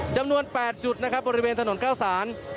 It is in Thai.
จำนวน๘จุดนะครับบริเวณถนนข้าวสาร